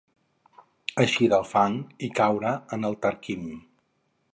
Eixir del fang i caure en el tarquim.